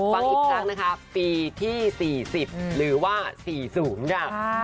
ฟังอีกซักปีที่๔๐หรือว่า๔สูงค่ะ